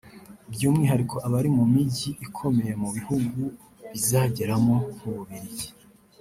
by’umwihariko abari mu mijyi ikomeye mu bihugu bazageramo nk’u Bubiligi